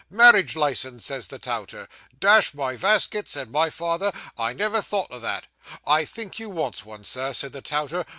"Marriage licence," says the touter. "Dash my veskit," says my father, "I never thought o' that." "I think you wants one, Sir," says the touter.